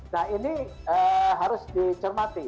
nah ini harus dicermati